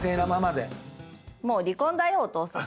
もう離婚だよお父さん。